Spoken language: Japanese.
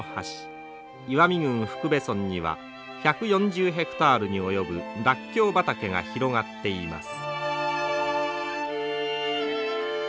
岩美郡福部村には１４０ヘクタールに及ぶらっきょう畑が広がっています。